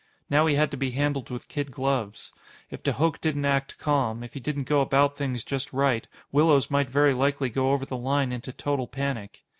Now he had to be handled with kid gloves. If de Hooch didn't act calm, if he didn't go about things just right, Willows might very likely go over the line into total panic.